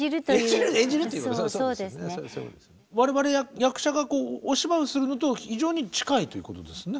我々役者がお芝居をするのと非常に近いということですね。